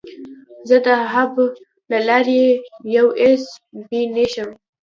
زه د هب له لارې یو ایس بي نښلوم.